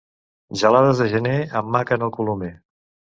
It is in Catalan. Gelades de gener em maquen el colomer.